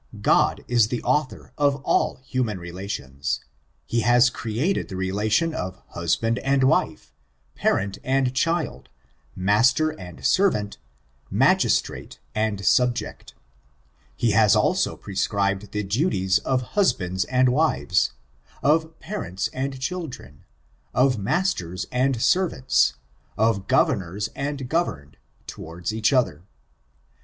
God is the author of all human relations. He has created the relation of husband and wife, parent and child, master and servant, magistrate and subject He has also prescribed the duties of husbands and wives, of parents and children, of masters and servants, of governors and governed, towards each other.